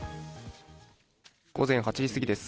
午前８時すぎです。